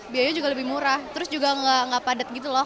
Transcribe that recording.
biayanya juga lebih murah terus juga nggak padat gitu loh